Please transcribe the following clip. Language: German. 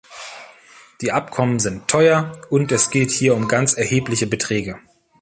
Die Abkommen sind teuer, und es geht hier um ganz erhebliche Beträge.